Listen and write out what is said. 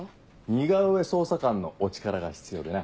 似顔絵捜査官のお力が必要でな。